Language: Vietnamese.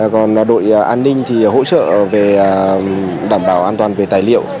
còn đội an ninh thì hỗ trợ về đảm bảo an toàn về tài liệu